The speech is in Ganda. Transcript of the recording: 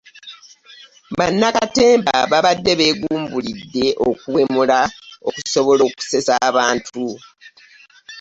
Bannakatemba babadde beegumbulidde ogw'okuwemula okusobola okusesa ababantu